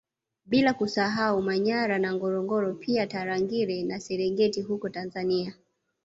Bila kusahau Manyara na Ngorongoro pia Tarangire na Serengeti huko Tanzania